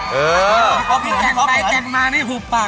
เฮ้ยเฮ้ยนี่อันนี้อ่ะ